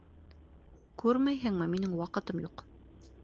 Күрмәйһеңме, минең ваҡытым юҡ!